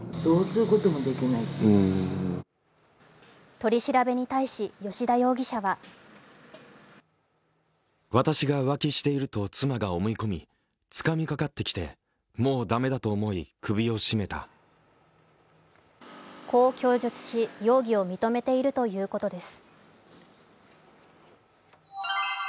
取り調べに対し、吉田容疑者はこう供述し容疑を認めているということです。